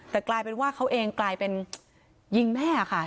แต่กลายเป็นว่าเขาเองกลายเป็นยิงแม่ค่ะ